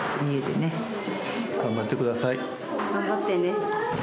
頑張ってね。